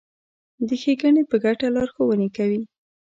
د ښېګڼې په ګټه لارښوونې کوي.